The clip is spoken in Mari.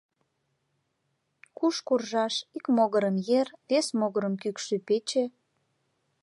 Куш куржаш, ик могырым ер, вес могырым кӱкшӧ пече.